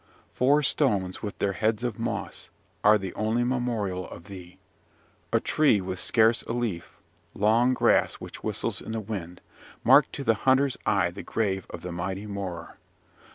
Four stones, with their heads of moss, are the only memorial of thee. A tree with scarce a leaf, long grass which whistles in the wind, mark to the hunter's eye the grave of the mighty Morar.